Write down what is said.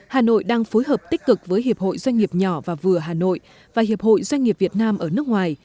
hà nội đang phối hợp tích cực với hiệp hội doanh nghiệp nhỏ và vừa hà nội và hiệp hội doanh nghiệp việt nam ở nước ngoài